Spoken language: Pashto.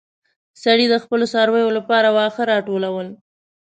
سړی د خپلو څارويو لپاره واښه راټولول.